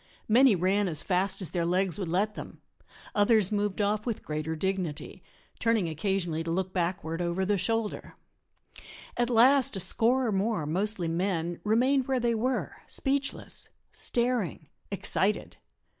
Many ran as fast as their legs would let them; others moved off with greater dignity, turning occasionally to look backward over the shoulder. At last a score or more, mostly men, remained where they were, speechless, staring, excited.